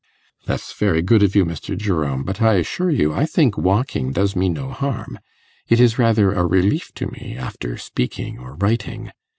'That's very good of you, Mr. Jerome; but I assure you I think walking does me no harm. It is rather a relief to me after speaking or writing.